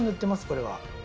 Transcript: これは。